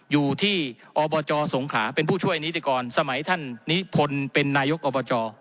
อยู่ที่อบจสงขลาเป็นผู้ช่วยนิติกรสมัยท่านนิพนธ์เป็นนายกอบจ